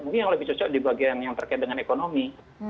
mungkin yang lebih cocok di bagian yang terkait dengan ekonomi